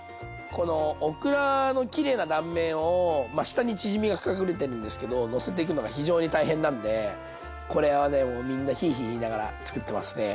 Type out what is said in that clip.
このオクラのきれいな断面を下にチヂミが隠れてるんですけどのせていくのが非常に大変なんでこれはねもうみんなひいひい言いながらつくってますね。